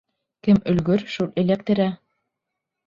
Кем өлгөр, шул эләктерә